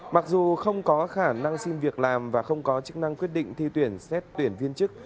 mặc dù không có khả năng xin việc làm và không có chức năng quyết định thi tuyển xét tuyển viên chức